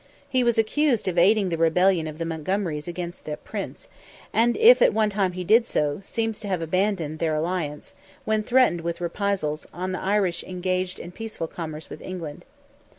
He was accused of aiding the rebellion of the Montgomerys against that Prince; and if at one time he did so, seems to have abandoned their alliance, when threatened with reprisals on the Irish engaged in peaceful commerce with England.